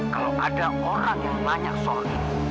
kalau ada orang yang tanya soal ini